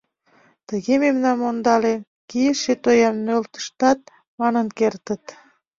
Тыге мемнам ондалет, кийыше тоям нӧлтыштат манын кертыт.